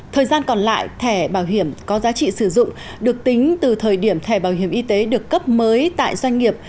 thời gian còn lại thẻ bảo hiểm có giá trị sử dụng được tính từ thời điểm thẻ bảo hiểm y tế được cấp mới tại doanh nghiệp